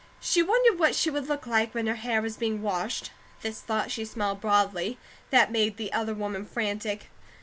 She wondered what she would look like when her hair was being washed; at this thought she smiled broadly. That made the other woman frantic.